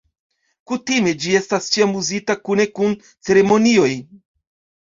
Kutime, ĝi estas ĉiam uzita kune dum ceremonioj.